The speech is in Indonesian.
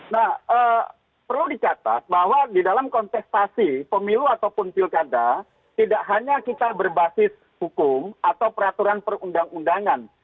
nah perlu dicatat bahwa di dalam kontestasi pemilu ataupun pilkada tidak hanya kita berbasis hukum atau peraturan perundang undangan